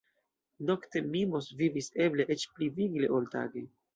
Nokte Mimos vivis eble eĉ pli vigle, ol tage.